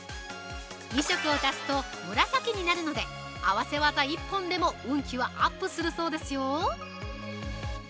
２色を足すと紫になるので合わせ技一本でも運気はアップするそうですよ。